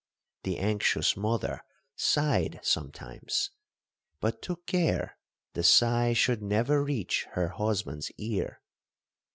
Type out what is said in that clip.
The anxious mother sighed sometimes, but took care the sigh should never reach her husband's ear.